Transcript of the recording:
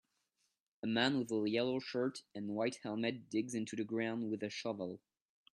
A man with a yellow shirt and white helmet digs into the ground with a shovel